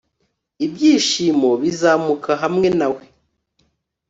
ibyishimo bizamuka hamwe nawe